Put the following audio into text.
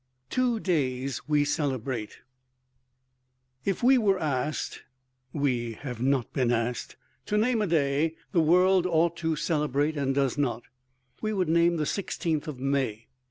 TWO DAYS WE CELEBRATE If we were asked (we have not been asked) to name a day the world ought to celebrate and does not, we would name the 16th of May.